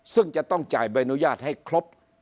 ซึ่งจะต้องจ่ายใบอนุญาตให้ครบ